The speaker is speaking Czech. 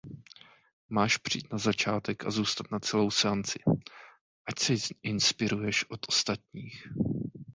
Máš přijít na začátek a zůstat na celou seanci, ať se inspiruješ od ostatních.